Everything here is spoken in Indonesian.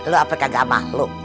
lo apa kagak makhluk